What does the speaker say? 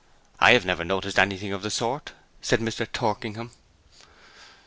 'I have never noticed anything of the sort,' said Mr. Torkingham.